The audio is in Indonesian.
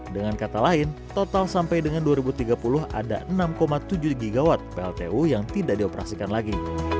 dengan kata lain total sampai dengan dua ribu tiga puluh ada enam tujuh gigawatt pltu yang tidak dioperasikan lagi